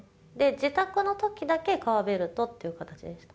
自宅のときだけ革ベルトっていう形でした。